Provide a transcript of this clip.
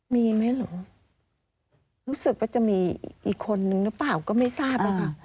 มีไหมเหรอรู้สึกว่าจะมีอีกคนนึงหรือเปล่าก็ไม่ทราบอะค่ะ